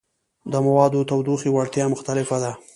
د موادو تودوخې وړتیا مختلفه ده.